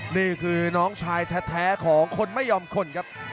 นี่คือน้องชายแท้ของคนไม่ยอมคนครับ